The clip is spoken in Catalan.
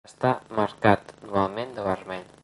Està marcat normalment de vermell.